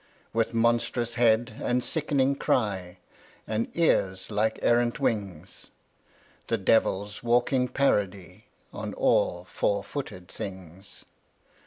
With monstrous head and sickening cry And ears like errant wings, The devil's walking parody On all four footed things.